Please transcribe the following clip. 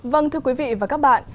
vâng thưa quý vị và các bạn